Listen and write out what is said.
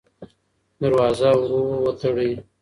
دروازه ورو وتړئ.